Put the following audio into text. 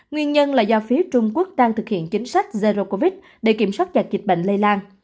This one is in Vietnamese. nguyên nhân là do phía trung quốc đang thực hiện chính sách zero covid để kiểm soát chặt dịch bệnh lây lan